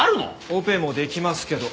オペもできますけど。